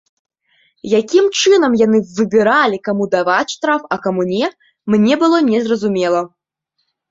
Якім чынам яны выбіралі, каму даваць штраф, а каму не, мне было незразумела.